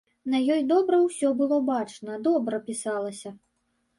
На ёй добра ўсё было бачна, добра пісалася.